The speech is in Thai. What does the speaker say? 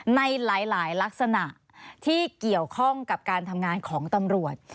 ในหลายลักษณะที่เกี่ยวข้องกับการทำงานของตำรวจ